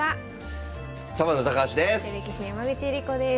サバンナ高橋です。